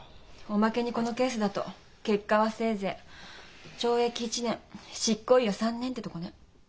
おまけにこのケースだと結果はせいぜい懲役１年執行猶予３年ってとこね。